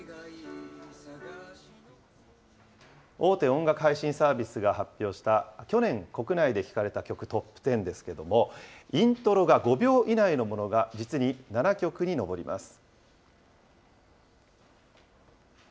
大手音楽配信サービスが発表した去年、国内で聞かれた曲トップ１０ですけれども、イントロが５秒以内のものが実に７曲に上ります。